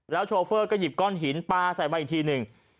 โชเฟอร์ก็หยิบก้อนหินปลาใส่มาอีกทีหนึ่ง